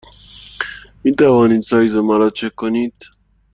می توانید سایز مرا چک کنید؟